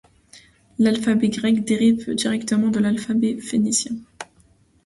L'alphabet grec dérive directement de l'alphabet phénicien.